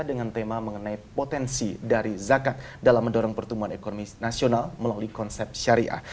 dengan tema mengenai potensi dari zakat dalam mendorong pertumbuhan ekonomi nasional melalui konsep syariah